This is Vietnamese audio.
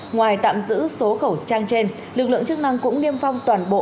ngoài tạm giữ số khẩu trang trên lực lượng chức năng cũng niêm phong toàn bộ